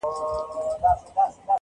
اورنګ زېب هم محتسب وو هم سلطان وو-